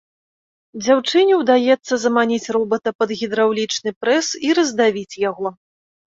Дзяўчыне ўдаецца заманіць робата пад гідраўлічны прэс і раздавіць яго.